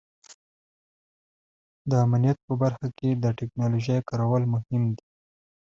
د امنیت په برخه کې د ټیکنالوژۍ کارول مهم دي.